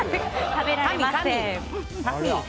食べられません。